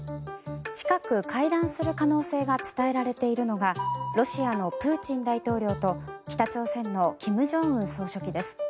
近く会談する可能性が伝えられているのがロシアのプーチン大統領と北朝鮮の金正恩総書記です。